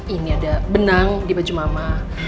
ini ada benang di baju mama